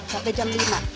sampai jam lima